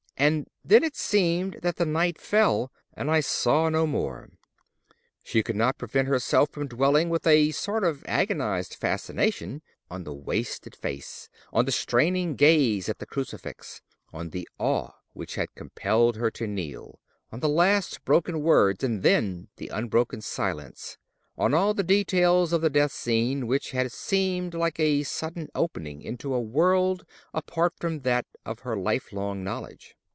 And then it seemed that the night fell, and I saw no more." She could not prevent herself from dwelling with a sort of agonised fascination on the wasted face; on the straining gaze at the crucifix; on the awe which had compelled her to kneel; on the last broken words and then the unbroken silence—on all the details of the death scene, which had seemed like a sudden opening into a world apart from that of her lifelong knowledge.